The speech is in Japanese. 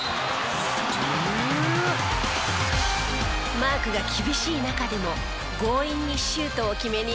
マークが厳しい中でも強引にシュートを決めにいきます。